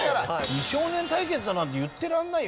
美少年対決だなんて言ってられないよ